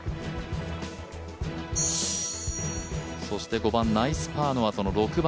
そして、５番ナイスパーのあとの６番。